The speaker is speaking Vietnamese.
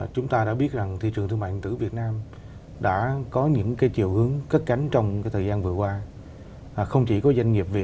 chúng ta cần làm sao để nắm bắt cho tôi